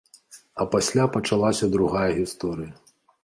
А пасля пачалася другая гісторыя.